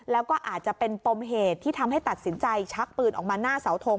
แล้วก็อาจจะเป็นปมเหตุที่ทำให้ตัดสินใจชักปืนออกมาหน้าเสาทง